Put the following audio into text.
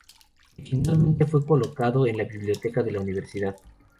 Originalmente fue colocado en la biblioteca de la universidad.